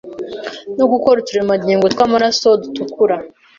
no gukora uturemangingo tw’amaraso dutukura,